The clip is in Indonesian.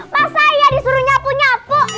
masa ya disuruh nyapu nyapu